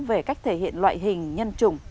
về cách thể hiện loại hình nhân trùng